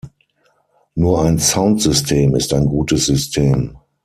Nur ein Sound System ist ein gutes System.